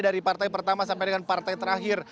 dari partai pertama sampai dengan partai terakhir